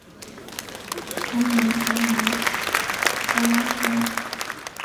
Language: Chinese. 同年成为格拉斯哥卡利多尼安大学的校监。